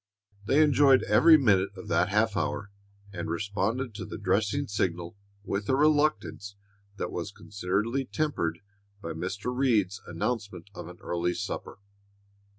They enjoyed every minute of that half hour, and responded to the dressing signal with a reluctance that was considerably tempered by Mr. Reed's announcement of an early supper.